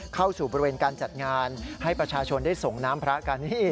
เข้าสู่บริเวณการจัดงานให้ประชาชนได้ส่งน้ำพระกัน